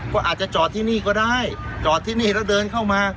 ก็อาจจะจอดที่นี่ก็ได้จอดที่นี่แล้วเดินเข้ามา